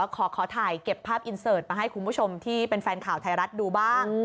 ขอถ่ายเก็บภาพอินเสิร์ตมาให้คุณผู้ชมที่เป็นแฟนข่าวไทยรัฐดูบ้าง